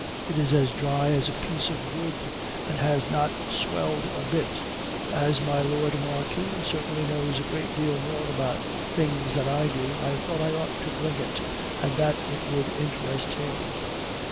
It is as dry as a piece of wood, and has not swelled a bit. As my Lord Marquis certainly knows a great deal more about things than I do, I thought I ought to bring it, and that it would interest him."